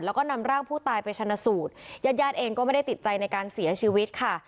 แล้วก็นำร่างผู้ตายไปชนะสูตรญาติญาติเองก็ไม่ได้ติดใจในการเสียชีวิตค่ะ